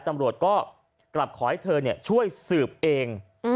ตำรวจก็กลับขอให้เธอช่วยสืบเอง